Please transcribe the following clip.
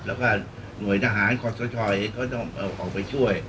แล้วก็หน่วยทหารคอสชก็ต้องออกไปช่วย